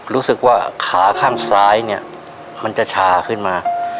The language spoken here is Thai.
รู้สึกว่าขาข้างซ้ายเนี่ยมันจะชาขึ้นมา